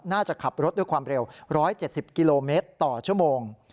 น่าจะขับรถด้วยความเร็ว๑๗๐กิโลเมตรต่อชั่วโมง